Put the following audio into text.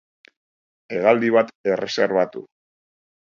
Hegaldi bat erreserbatu